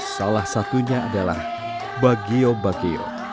salah satunya adalah bagio bagio